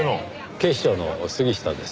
警視庁の杉下です。